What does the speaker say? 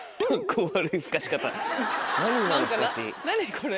これ。